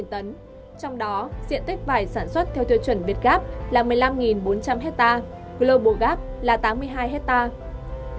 trong đó diện tích vải sản xuất theo tiêu chuẩn việt gáp là một mươi năm bốn trăm linh hectare global gap là tám mươi hai hectare